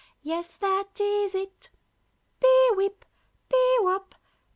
Yes, that is it! Pee wip! pee wop!